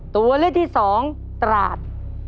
ตัวเลือกที่๒ตราด